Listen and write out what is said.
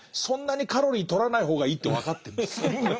そんなにカロリーとらない方がいいって分かってるんです。